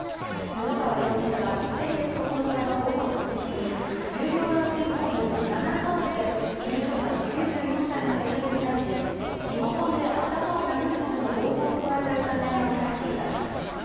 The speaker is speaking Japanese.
布川容疑者は先月９日の午後９時すぎ有料老人ホーム・ナナハウスで入所者の９４歳の女性に対しリモコンで頭を殴るなどの暴行を加えた疑いが持たれています。